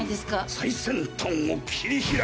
最先端を切り開く。